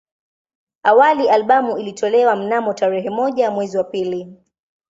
Awali albamu ilitolewa mnamo tarehe moja mwezi wa pili